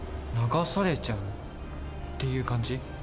流されちゃうっていう感じ？